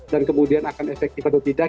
dan kemudian akan efektif atau tidak